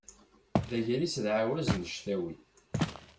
D agris d ɛawaz n ctawi.